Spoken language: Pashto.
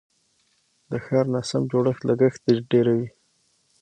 د ښار ناسم جوړښت لګښت ډیروي.